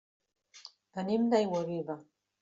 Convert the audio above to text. Venim d'Aiguaviva.